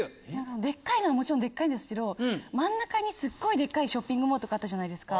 でっかいのはもちろんでっかいんですけど真ん中にすごいでっかいショッピングモールあったじゃないですか。